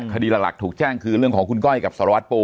อีกหนึ่งที่เราได้แจ้งคือเรื่องของคุณก้อยกับสตรวจปู